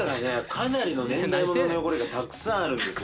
かなりの年代ものの汚れがたくさんあるんです